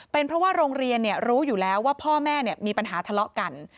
เป็นเพราะว่าโรงเรียนรู้อยู่แล้วว่าพ่อแม่มีปัญหาทะเลาะกัน